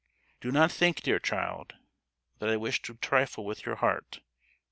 Do not think, dear child, that I wish to trifle with your heart!